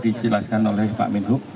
dijelaskan oleh pak mindhuk